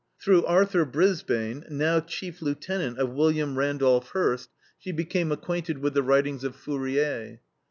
Through Arthur Brisbane, now chief lieutenant of William Randolph Hearst, she became acquainted with the writings of Fourier.